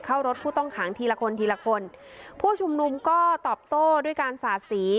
เข้ารถผู้ต้องขังทีละคนทีละคนผู้ชุมนุมก็ตอบโต้ด้วยการสาดสี